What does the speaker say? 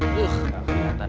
aduh tak keliatan